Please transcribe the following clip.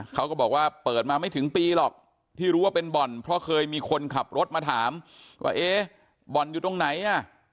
เขาก็บอกว่าเปิดมาไม่ถึงปีหรอกที่รู้ว่าเป็นบ่อนเพราะเคยมีคนขับรถมาถามว่าเอ๊ะบ่อนอยู่ตรงไหนอ่ะ